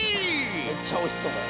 めっちゃおいしそうこれ。